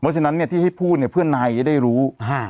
เมื่อเช่นนั้นเนี้ยที่ให้พูดเนี้ยเพื่อนนายจะได้รู้ฮ่า